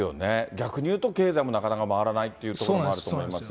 逆に言うと、経済もなかなか回らないというところもあると思います。